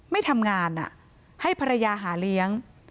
ไม่ทำงานให้ภรรยาหาเลี้ยง